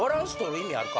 意味あるか？